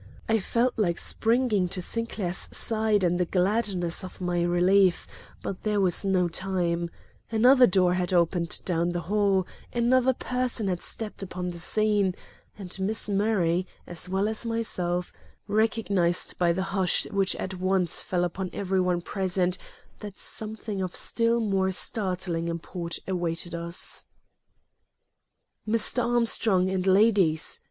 I felt like springing to Sinclair's side in the gladness of my relief, but there was no time; another door had opened down the hall, another person had stepped upon the scene, and Miss Murray, as well as myself, recognized by the hush which at once fell upon every one present that something of still more startling import awaited us. "Mr. Armstrong and ladies!"